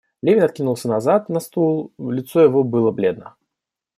Левин откинулся назад на стул, лицо его было бледно.